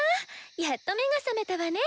やっと目が覚めたわね